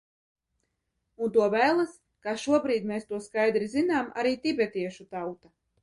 Un to vēlas, kā šobrīd mēs to skaidri zinām, arī tibetiešu tauta.